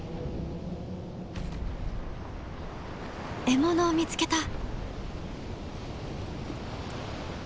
獲物を見つけた。